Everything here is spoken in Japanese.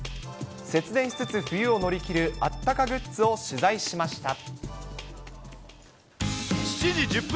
節電しつつ冬を乗り切るあったかグッズを取材しました。